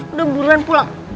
udah buruan pulang